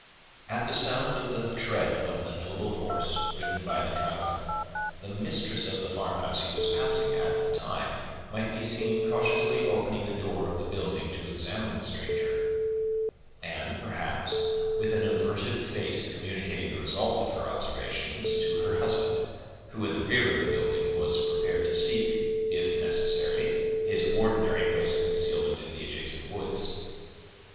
At the sound of the tread of the noble horse ridden by the traveler, the mistress of the farmhouse he was passing at the time might be seen cautiously opening the door of the building to examine the stranger; and perhaps, with an averted face communicating the result of her observations to her husband, who, in the rear of the building, was prepared to seek, if necessary, his ordinary place of concealment in the adjacent woods.